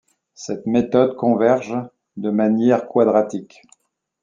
Cette méthode converge de manière quadratique.